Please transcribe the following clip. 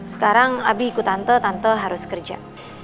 sekarang abi ikut tante tante harus kerja